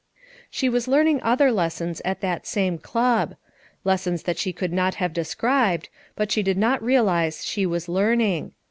She was learning other lessons at that same club; lessons that she could not have described, that she did not realize she was learning.